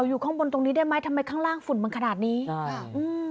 อยู่ข้างบนตรงนี้ได้ไหมทำไมข้างล่างฝุ่นมันขนาดนี้อ่าอืม